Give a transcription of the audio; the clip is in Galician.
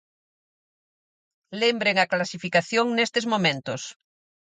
Lembren a clasificación nestes momentos.